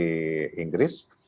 kejadian heysel di inggris